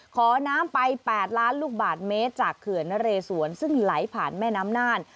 ขอน้ำไป๘ล้านลูกบาทเมตรจากเขื่อนนเรสวนซึ่งไหลผ่านแม่น้ำน่าน